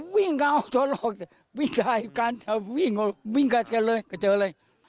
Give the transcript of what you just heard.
วิ่งกันออกทอดหลอกวิ่งกันกันวิ่งกันกันเลยเจอเลย